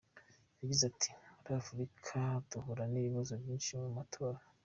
Yagize ati “Muri Afurika duhura n’ibibazo byinshi mu matora.